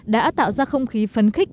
đã tạo ra không khí phấn khích